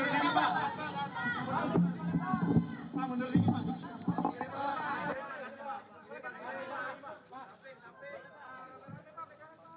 ini adalah kata kata saya pada syrupet branda